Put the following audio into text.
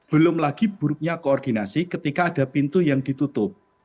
belum lagi buruknya koordinasi ketika ada pintu yang ditutup